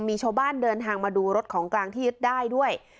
มีชาวบ้านเดินทางมาดูรถของกลางที่ยึดได้ด้วย